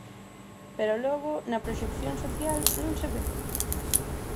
Pero logo, na proxección social, non se ve.